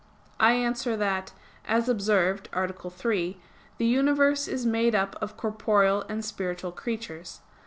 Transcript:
I answer that, As was observed (A. 3), the universe is made up of corporeal and spiritual creatures.